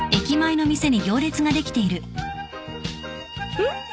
うん？